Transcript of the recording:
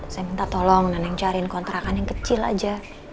saya minta tolong neneng cariin kontrakan yang kecil aja